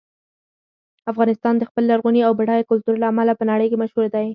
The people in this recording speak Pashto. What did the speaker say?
افغانستان د خپل لرغوني او بډایه کلتور له امله په نړۍ کې مشهور دی.